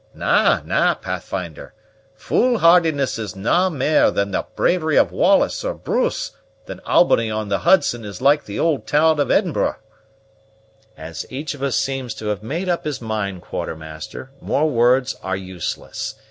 Na, na, Pathfinder, foolhardiness is na mair like the bravery o' Wallace or Bruce than Albany on the Hudson is like the old town of Edinbro'." "As each of us seems to have made up his mind, Quartermaster, more words are useless.